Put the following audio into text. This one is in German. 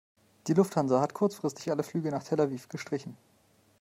Die Lufthansa hat kurzfristig alle Flüge nach Tel Aviv gestrichen.